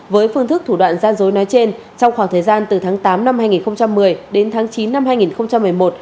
với phương thức thủ đoạn gian dối nói trên trong khoảng thời gian từ tháng tám năm hai nghìn một mươi đến tháng chín năm hai nghìn một mươi một